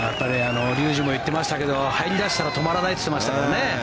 竜二も言ってましたけど入り出したら止まらないって言ってましたけどね。